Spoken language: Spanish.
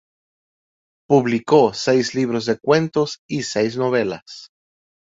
Publicó seis libros de cuentos y seis novelas.